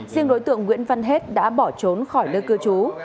riêng đối tượng nguyễn văn hết đã bỏ trốn khỏi nơi cư trú